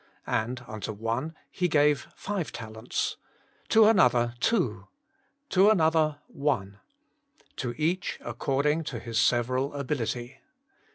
And unto one he gave five talents, to another two, to an other one ; to each according to his several ability.'